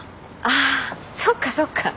あそっかそっか。